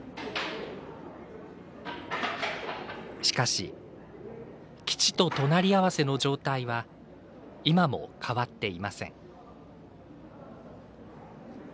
しかし基地と隣り合わせの状態は今も変わっていません。